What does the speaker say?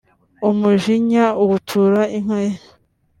umujinya awutura inka ye